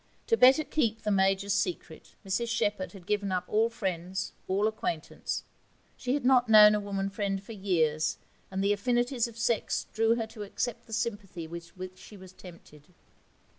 To better keep the Major's secret, Mrs Shepherd had given up all friends, all acquaintance. She had not known a woman friend for years, and the affinities of sex drew her to accept the sympathy with which she was tempted.